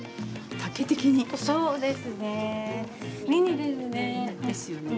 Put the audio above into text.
そうですね。